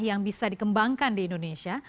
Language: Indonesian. yang bisa dikembangkan di indonesia